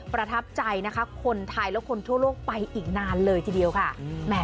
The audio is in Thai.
ประทับใจนะคะคนไทยและคนทั่วโลกไปอีกนานเลยทีเดียวค่ะ